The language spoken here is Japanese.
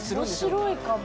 面白いかも。